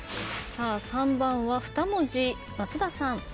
３番は２文字松田さん。